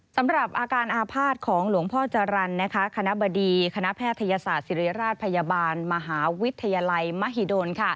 สำหรับอาการอาภาษณ์ของหลวงพ่อจรรย์คณะบดีคณะแพทยศาสตร์ศิริราชพยาบาลมหาวิทยาลัยมหิดล